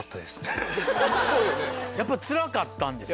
やっぱつらかったんですね。